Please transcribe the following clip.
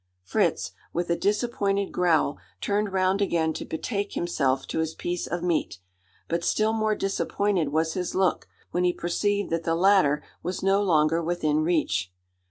Fritz, with a disappointed growl, turned round again to betake himself to his piece of meat; but still more disappointed was his look, when he perceived that the latter was no longer within reach!